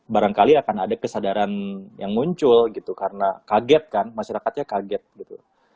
barangkali akan ada kesadaran yang muncul gitu karena kaget kan masyarakatnya kaget gitu